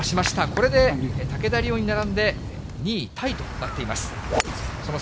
これで竹田麗央に並んで２位タイとなっています。